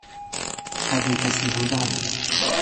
قد کسی بودن